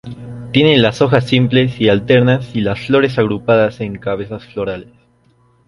Tiene las hojas simples y alternas y las flores agrupadas en cabezas florales.